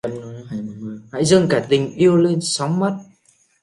Hãy dâng cả tình yêu lên sóng mắt!